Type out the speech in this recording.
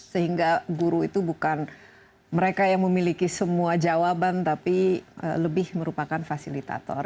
sehingga guru itu bukan mereka yang memiliki semua jawaban tapi lebih merupakan fasilitator